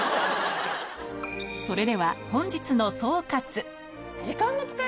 それでは本日の総括